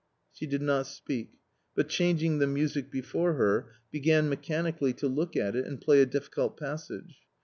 She did not speak, but changing the music before her, began mechanically to look at it and play a difficult passage.